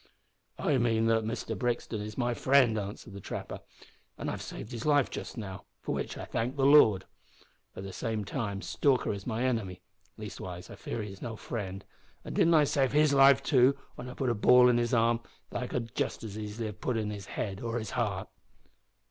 "I mean that Mister Brixton is my friend," answered the trapper, "and I've saved his life just now, for which I thank the Lord. At the same time, Stalker is my enemy leastwise I fear he's no friend an' didn't I save his life too when I put a ball in his arm, that I could have as easily put into his head or his heart?"